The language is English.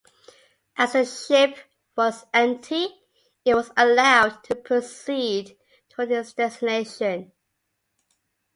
As the ship was empty, it was allowed to proceed toward its destination.